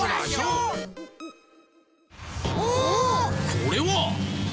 これは！